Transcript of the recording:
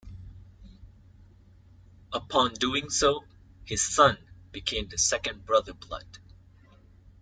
Upon doing so, his son became the second Brother Blood.